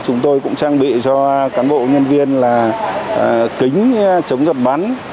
chúng tôi cũng trang bị cho cán bộ nhân viên là kính chống giập bắn